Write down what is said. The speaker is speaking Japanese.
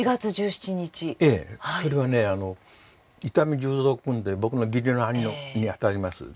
それはね伊丹十三君っていう僕の義理の兄にあたります